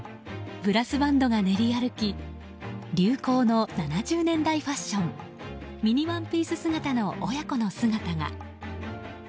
ブラスバンドが練り歩き流行の７０年代ファッションミニワンピース姿の親子の姿が。